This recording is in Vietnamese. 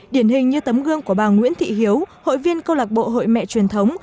điển hình như tấm gương của bà nguyễn thị hiếu hội viên câu lạc bộ hội mẹ truyền thống